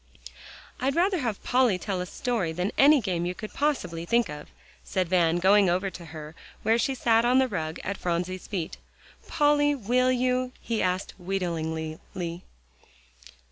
"I'd rather have Polly tell a story than any game you could possibly think of," said Van, going over to her, where she sat on the rug at Phronsie's feet. "Polly, will you?" he asked wheedlingly.